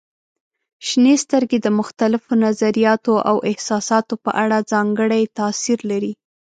شنې سترګې د مختلفو نظریاتو او احساساتو په اړه ځانګړی تاثير لري.